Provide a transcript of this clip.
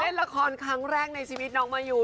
เล่นละครครั้งแรกในชีวิตน้องมายู